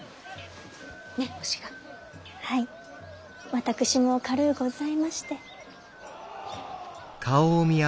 私も軽うございまして。